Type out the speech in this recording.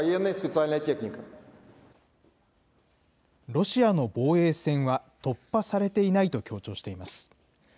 ロシアの防衛線は突破されていないと強調しています。